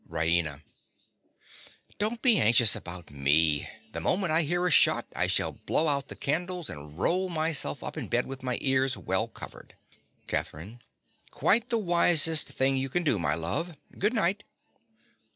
_) RAINA. Don't be anxious about me. The moment I hear a shot, I shall blow out the candles and roll myself up in bed with my ears well covered. CATHERINE. Quite the wisest thing you can do, my love. Good night.